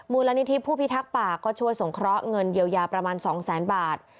มูลนิธิผู้พิทักษ์ป่าก็ช่วยสงเคราะห์เงินเยียวยาประมาณ๒แสนบาท